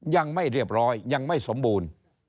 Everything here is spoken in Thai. ยังไม่เรียบร้อยยังไม่สมบูรณ์